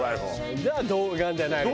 じゃあ童顔じゃないのか。